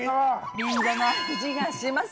銀座の味がします